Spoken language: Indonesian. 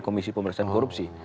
komisi pemerintahan korupsi